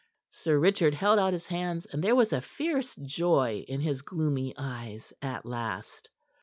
Sir Richard held out his hands, and there was a fierce joy in his gloomy eyes at last.